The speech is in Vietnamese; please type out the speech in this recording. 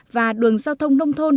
và đường giao thông nông thôn